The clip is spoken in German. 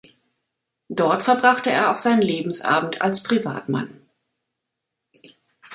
Dort verbrachte er auch seinen Lebensabend als Privatmann.